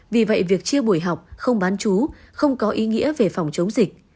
vì vậy việc chia buổi học không bán chú không có ý nghĩa về phòng chống dịch